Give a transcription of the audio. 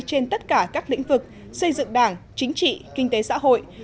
trên tất cả các lĩnh vực xây dựng đảng chính trị kinh tế xã hội